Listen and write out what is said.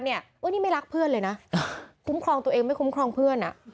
นี่ไม่รักเพื่อนเลยนะคุ้มครองตัวเองไม่คุ้มครองเพื่อน